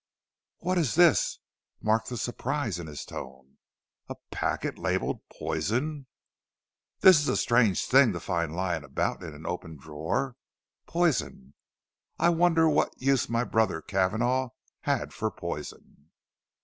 "What is this?" (Mark the surprise in his tone.) "A packet labelled Poison? This is a strange thing to find lying about in an open drawer. Poison! I wonder what use brother Cavanagh had for poison?"